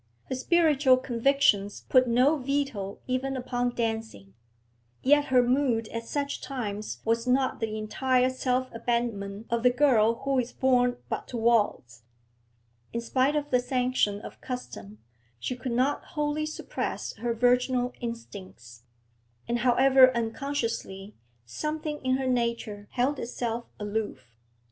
Her spiritual convictions put no veto even upon dancing. Yet her mood at such times was not the entire self abandonment of the girl who is born but to waltz. In spite of the sanction of custom, she could not wholly suppress her virginal instincts, and, however unconsciously, something in her nature held itself aloof.